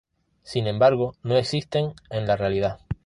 Sin embargo no existen en la realidad.